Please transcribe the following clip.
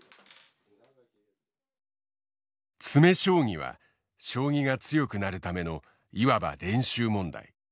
詰将棋は将棋が強くなるためのいわば練習問題。